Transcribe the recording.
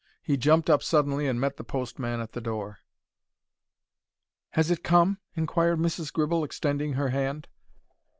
He jumped up suddenly and met the postman at the door. "Has it come?" inquired Mrs. Gribble, extending her hand.